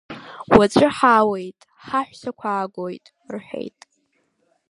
Уаҵәы ҳаауеит, ҳаҳәсақәа аагоит, — рҳәеит.